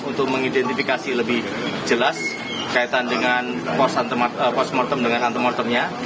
untuk mengidentifikasi lebih jelas kaitan dengan post mortem dengan antemortemnya